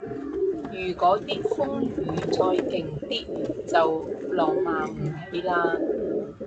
如嗰啲風雨再勁啲就浪漫唔起嘞